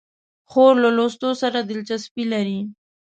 خور له لوستو سره دلچسپي لري.